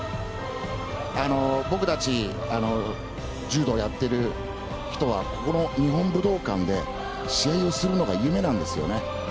僕たち柔道をやっている人は日本武道館で試合をするのが夢なんですよね。